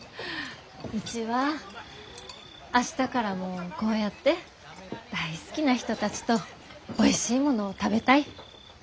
うちは明日からもこうやって大好きな人たちとおいしいものを食べたい！